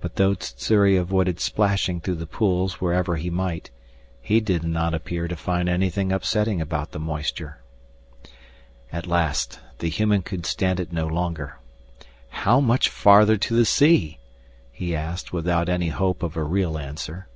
But though Sssuri avoided splashing through the pools wherever he might, he did not appear to find anything upsetting about the moisture. At last the human could stand it no longer. "How much farther to the sea?" he asked without any hope of a real answer.